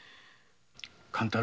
勘太郎。